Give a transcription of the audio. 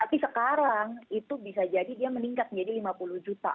tapi sekarang itu bisa jadi dia meningkat menjadi lima puluh juta